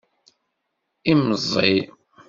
Imẓi.